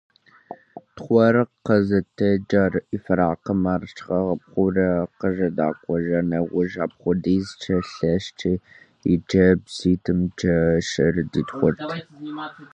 Тхъуэр къызытекӀар и фэракъым, ар щӀагъапхъуэрэ къыжьэдакъуэжа нэужь, апхуэдизкӀэ лъэщти, и кӀэбдзитӀымкӀэ щӀыр дитхъурт.